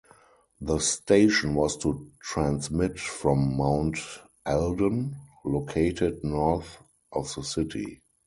The station was to transmit from Mount Elden, located north of the city.